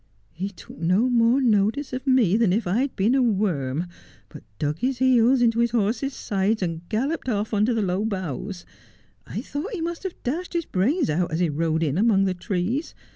He took no more notice of me than if I had been a worm, but dug his heels into his horse's sides and galloped off under the low boughs. I thought he must have dashed his brains out as he rode in among the trees.